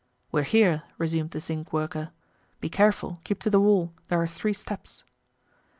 "We're here," resumed the zinc worker. "Be careful, keep to the wall; there are three steps."